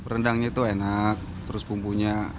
rendangnya itu enak terus bumbunya